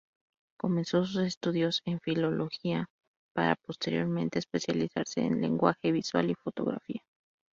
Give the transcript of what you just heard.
Comenzó sus estudios en filología, para posteriormente especializarse en lenguaje visual y fotografía.